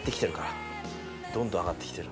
どんどん上がって来てる。